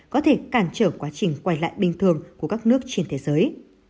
có thể cản trở quá trình quay lại bình thường của các nước trên thế giới